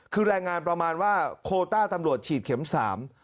คือแรงงานประมาณว่าโคต้าตำรวจฉีดเข็มสาม